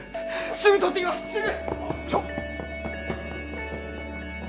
すぐ取ってきます、すぐ！